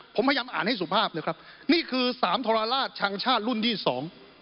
ผมพยายามอ่านให้สุภาพเลยครับนี่คือสามทรราชชังชาติรุ่นที่สอง